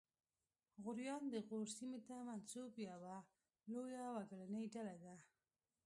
غوریان د غور سیمې ته منسوب یوه لویه وګړنۍ ډله ده